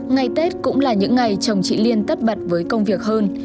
ngày tết cũng là những ngày chồng chị liên tất bật với công việc hơn